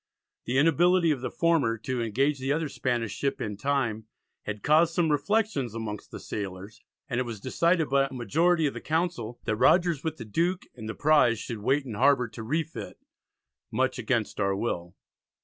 The inability of the former to engage the other Spanish ship in time had caused "some reflections amongst the sailors," and it was decided by a majority of the Council that Rogers with the Duke and the prize should wait in harbour to refit much "against our will."